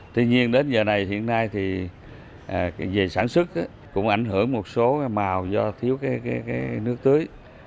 tuy nhiên đến giờ này hiện nay thì về sản xuất cũng ảnh hưởng một số màu do thiếu nước tưới